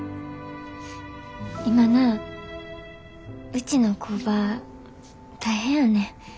今なうちの工場大変やねん。